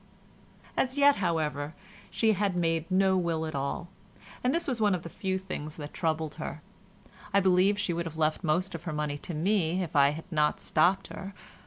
As yet, however, she had made no will at all, and this was one of the few things that troubled her. I believe she would have left most of her money to me if I had not stopped her.